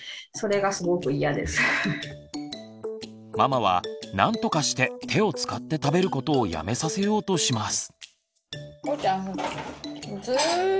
ママはなんとかして手を使って食べることをやめさせようとします。